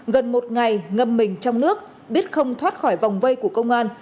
gần một ngày ngâm mình trong nước biết không thoát khỏi vòng vây của công an